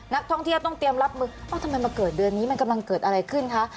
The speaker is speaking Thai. นักท่องเที่ยวต้องเตรียมรับมือเอ้าทำไมมาเกิดเดือนนี้มันกำลังเกิดอะไรขึ้นคะ